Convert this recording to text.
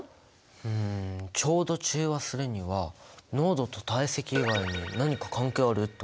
うんちょうど中和するには濃度と体積以外に何か関係あるってこと？